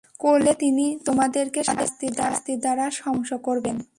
করলে তিনি তোমাদেরকে শাস্তি দ্বারা সমূলে ধ্বংস করবেন।